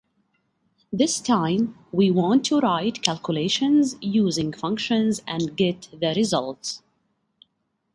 This time we want to write calculations using functions and get the results.